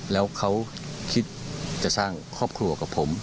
แล้วเขาคิดจะสร้างครอบครัวกับผม